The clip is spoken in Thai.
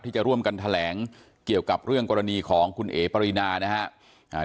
ที่จะร่วมกันแถลงเกี่ยวกับเรื่องกรณีของคุณเอ๋ปรินานะครับ